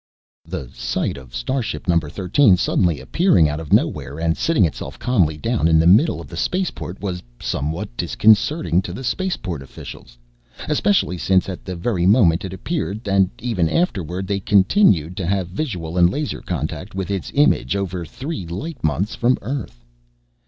The sight of starship Number Thirteen suddenly appearing out of nowhere, and sitting itself calmly down in the middle of the Spaceport was somewhat disconcerting to the Spaceport officials. Especially since at the very moment it appeared, and even afterward, they continued to have visual and laser contact with its image, over three light months from Earth.